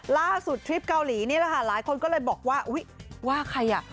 ทริปเกาหลีนี่แหละค่ะหลายคนก็เลยบอกว่าอุ๊ยว่าใครอ่ะ